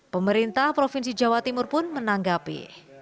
pemerintah provinsi jawa timur pun menanggapi